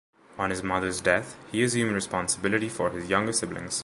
On his mother's death, he assumed responsibility for his younger siblings.